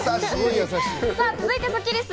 続いてはスッキりす。